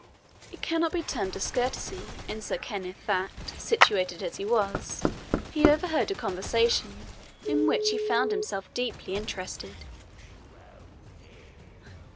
It cannot be termed discourtesy in Sir Kenneth that, situated as he was, he overheard a conversation in which he found himself deeply interested.